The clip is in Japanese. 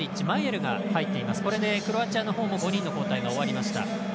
これでクロアチアのほうも５人の交代が終わりました。